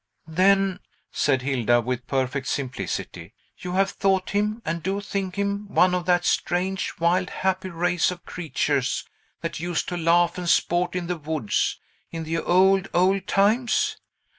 "Then," said Hilda, with perfect simplicity, "you have thought him and do think him one of that strange, wild, happy race of creatures, that used to laugh and sport in the woods, in the old, old times?